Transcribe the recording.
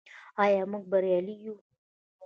آیا موږ بریالي یو؟